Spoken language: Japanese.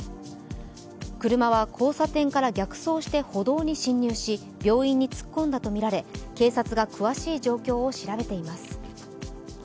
車は交差点から逆走して歩道に進入し病院に突っ込んだとみられ警察が詳しい状況を調べています。